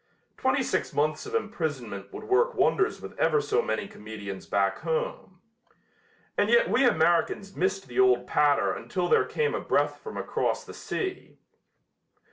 Twenty six months of imprisonment would work wonders with ever so many comedians back home. And yet we Americans missed the old patter until there came a breath from across the sea.